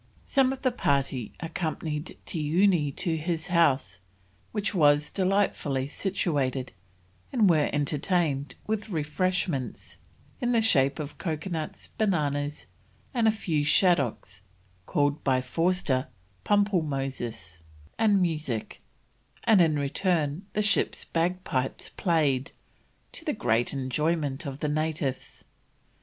Some of the party accompanied Tioony to his house, which was delightfully situated, and were entertained with refreshments, in the shape of coconuts, bananas, and a few shaddocks, called by Forster pumplemoses, and music; and in return the ship's bagpipes played, to the great enjoyment of the natives.